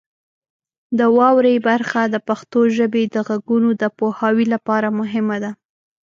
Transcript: د واورئ برخه د پښتو ژبې د غږونو د پوهاوي لپاره مهمه ده.